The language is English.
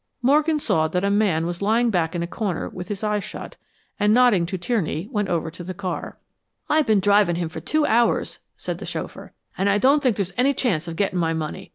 Morgan saw that a man was lying back in a corner with his eyes shut, and nodding to Tierney, went over to the car. "I've been driving him for two hours," said the chauffeur, "and I don't think there's any chance of getting my money.